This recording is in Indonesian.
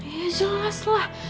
ya jelas lah